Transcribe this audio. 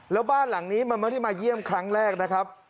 แล้วบ้านหลังนี้มันไม่ได้มาเยี่ยมครั้งแรกนะครับ